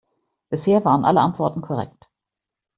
Bisher waren alle Antworten korrekt.